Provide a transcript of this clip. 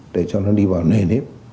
để cho nó đi vào nền hết